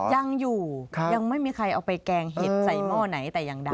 ยังอยู่ยังไม่มีใครเอาไปแกงเห็ดใส่หม้อไหนแต่อย่างใด